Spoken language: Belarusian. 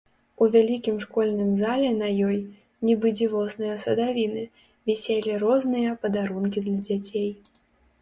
У вялікім школьным зале на ёй, нібы дзівосныя садавіны, віселі розныя падарункі для дзяцей.